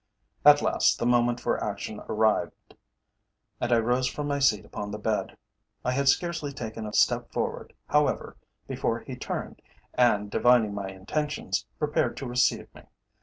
At last the moment for action arrived, and I rose from my seat upon the bed. I had scarcely taken a step forward, however, before he turned, and, divining my intentions, prepared to receive me.